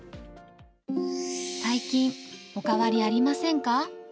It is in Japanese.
最近、お変わりありませんか？